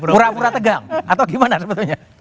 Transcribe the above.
pura pura tegang atau gimana sebetulnya